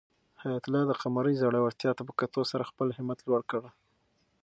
حیات الله د قمرۍ زړورتیا ته په کتو سره خپل همت لوړ کړ.